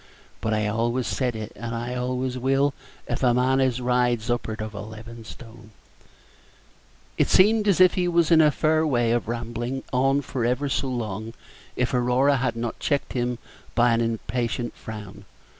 But I always said it, and I always will, if a man as rides up'ard of eleven stone " It seemed as if he were in a fair way of rambling on for ever so long if Aurora had not checked him by an impatient frown.